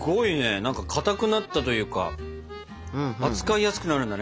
何かかたくなったというか扱いやすくなるんだね